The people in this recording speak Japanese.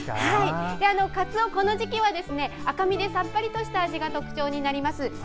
かつお、この時期は赤身でさっぱりとした味が特徴になります。